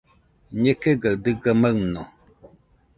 Ñekɨgaɨ dɨga maɨno